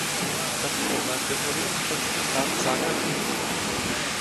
Daný problém by měl být pro členské státy základní výzvou.